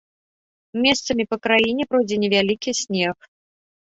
Месцамі па краіну пройдзе невялікі снег.